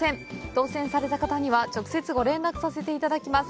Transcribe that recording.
当せんされた方には、直接ご連絡させていただきます。